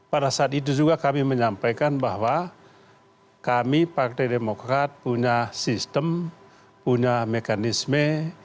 pada saat itu juga kami menyampaikan bahwa kami partai demokrat punya sistem punya mekanisme